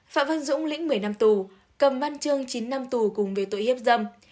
phạm văn dũng lĩnh một mươi năm tù cầm văn trương chín năm tù cùng về tội hiếp dâm